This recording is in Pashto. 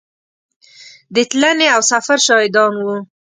د تلنې او سفر شاهدان وو.